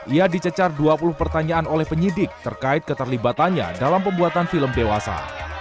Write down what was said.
ia dicecar dua puluh pertanyaan oleh penyidik terkait keterlibatannya dalam pembuatan film dewasa